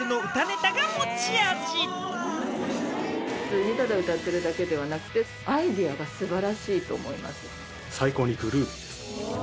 ただ歌ってるだけじゃなくて、アイデアがすばらしいと思います。